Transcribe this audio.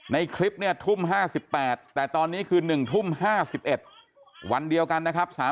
ในคลิปเนี่ยทุ่ม๕๘แต่ตอนนี้คือ๑ทุ่ม๕๑วันเดียวกันนะครับ